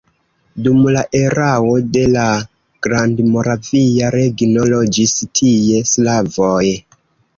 Dum la erao de la Grandmoravia Regno loĝis tie slavoj.